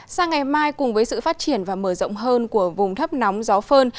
sang ngày mai cùng với sự phát triển và mở rộng hơn của vùng thấp nóng gió phơn